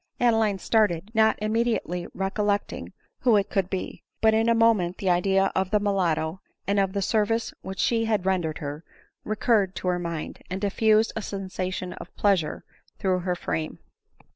Adeline started, not immediately recollecting who it could be ; but in a moment the idea of the mulatto, and of the service which she had rendered her, recurred to her mind, and diffused 4 ' a sensation of pleasure through her frame.